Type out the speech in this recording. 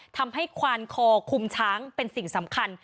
ควานคอคุมช้างเป็นสิ่งสำคัญ